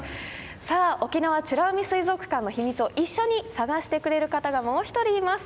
さあ沖縄美ら海水族館の秘密を一緒に探してくれる方がもう一人います。